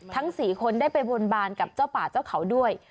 ทั้ง๔คนได้ไปบนบานกับเจ้าป่าเจ้าเขาด้วย